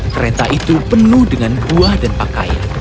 kereta itu penuh dengan buah dan pak kaya